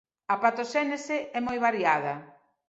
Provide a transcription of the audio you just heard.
A patoxénese é moi variada.